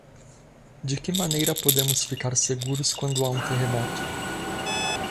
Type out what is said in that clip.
De que maneira podemos ficar seguros quando há um terremoto?